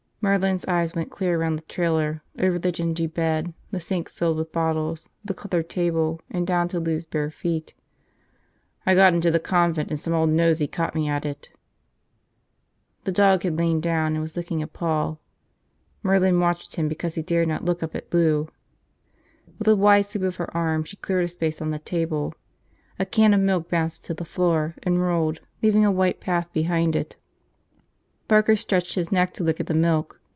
Merlin's eyes went clear around the trailer, over the dingy bed, the sink filled with bottles, the cluttered table, and down to Lou's bare feet. "I got into the convent and some old nosey caught me at it." The dog had lain down and was licking a paw. Merlin watched him because he dared not look up at Lou. With a wide sweep of her arm she cleared a space on the table. A can of milk bounced to the floor and rolled, leaving a white path behind it. Barker stretched his neck to lick at the milk.